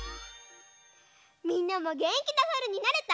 みんなもげんきなさるになれた？